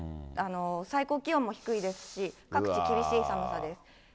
最高気温も低いですし、各地厳しい寒さです。